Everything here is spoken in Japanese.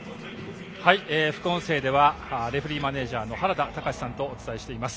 副音声ではレフリーマネージャーの原田隆司さんとお伝えしています。